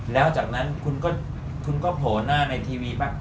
แล้วจากนั้นคุณก็โผล่หน้าในทีวีบ้าง